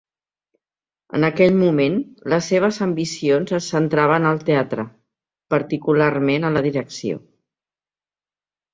En aquell moment, les seves ambicions es centraven al teatre, particularment a la direcció.